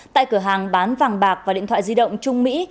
tại cửa hàng bán vàng bạc và điện thoại di động trung mỹ